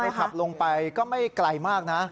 ขับลงไปก็ไม่ไกลมากนะ